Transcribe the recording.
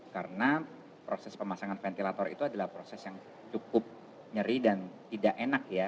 karena proses pemasangan ventilator itu adalah proses yang cukup nyeri dan tidak enak ya